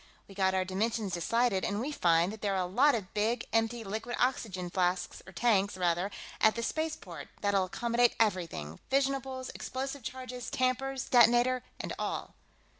We got our dimensions decided, and we find that there are a lot of big empty liquid oxygen flasks, or tanks, rather, at the spaceport, that'll accommodate everything fissionables, explosive charges, tampers, detonator, and all."